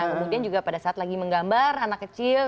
kemudian juga pada saat lagi menggambar anak kecil